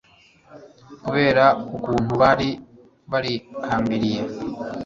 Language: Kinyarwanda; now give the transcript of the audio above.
kubera ukuntu bari barihambiriye